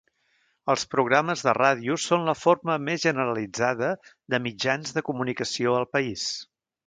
Els programes de ràdio són la forma més generalitzada de mitjans de comunicació al país.